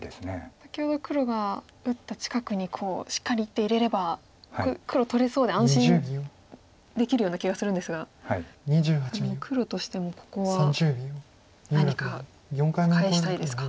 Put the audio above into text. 先ほど黒が打った近くにこうしっかり１手入れれば黒取れそうで安心できるような気がするんですが黒としてもここは何か返したいですか。